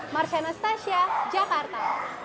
marcia nastasia jakarta